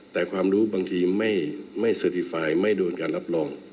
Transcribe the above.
แต่ความรู้บางทีไม่เซอร์ติไฟล์ไม่โดนการรับรอง